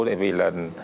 tại vì là